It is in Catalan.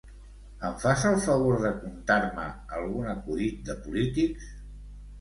Em fas el favor de contar-me algun acudit de polítics?